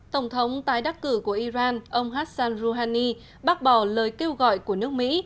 tổng thống tái đắc cử của iran ông hassan rouhani bác bỏ lời kêu gọi của nước mỹ